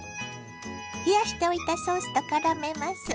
冷やしておいたソースとからめます。